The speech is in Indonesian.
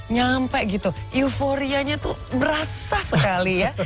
nyampe gitu euforianya tuh berasa sekali ya